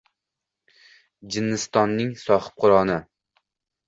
Jinnistonning sohibqironi